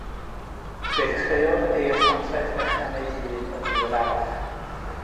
Fe ddechreuodd ei asiantaeth fechan ei hun yn ddiweddarach.